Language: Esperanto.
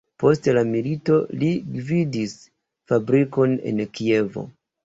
Post la milito li gvidis fabrikon en Kievo.